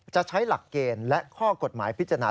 จะใช้หลักเกณฑ์และข้อกฎหมายพิจารณา